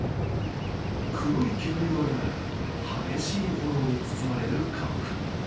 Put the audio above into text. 黒い煙を上げながら激しい炎に包まれる家屋。